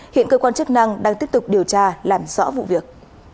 hiện cơ quan chức năng đang tiếp tục điều tra làm rõ vụ việc